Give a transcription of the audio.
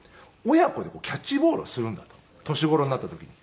親子でキャッチボールをするんだと年頃になった時に。